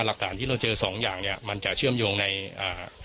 หลักฐานที่เราเจอสองอย่างเนี้ยมันจะเชื่อมโยงในอ่า